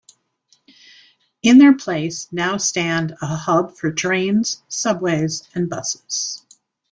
In their place, now stand a hub for trains, subways and buses.